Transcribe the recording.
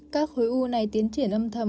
các khối u này tiến triển âm thầm